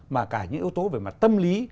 mà cả những yếu tố về mặt tâm lý